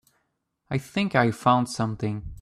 I think I found something.